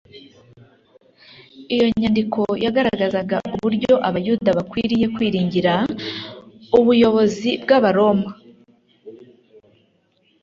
Iyo nyandiko yagaragazaga uburyo abayuda bakwiye kwiringira ubuyobozi bw'Abaroma.